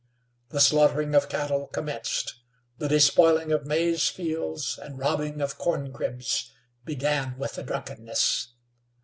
The slaughtering of cattle commenced; the despoiling of maize fields, and robbing of corn cribs began with the drunkenness.